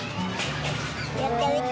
やってみて。